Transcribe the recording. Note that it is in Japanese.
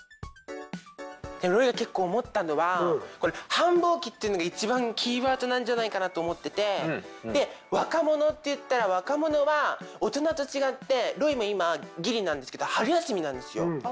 ロイが結構思ったのは繁忙期っていうのが一番キーワードなんじゃないかなと思ってて若者っていったら若者は大人と違ってロイも今ギリなんですけど春休みなんですよ。